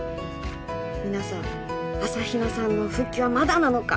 皆さん朝比奈さんの復帰はまだなのか？